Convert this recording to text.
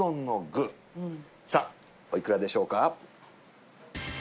さあおいくらでしょうか？